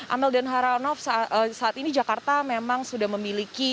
amel dan heranov saat ini jakarta memang sudah memiliki